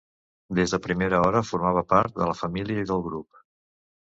Des de primera hora formava part de la família i del grup.